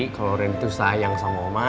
kalau rain tuh sayang sama oma